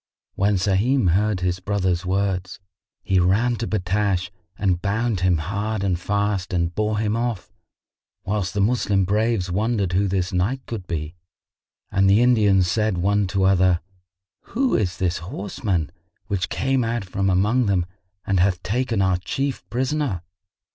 When Sahim heard his brother's words, he ran to Battash and bound him hard and fast and bore him off, whilst the Moslem braves wondered who this knight could be and the Indians said one to other, "Who is this horseman which came out from among them and hath taken our Chief prisoner?"